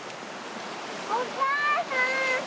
お母さん